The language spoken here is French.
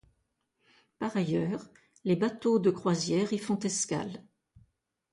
Par ailleurs, les bateaux de croisière y font escale.